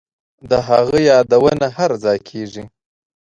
د هغه یادونه هرځای کیږي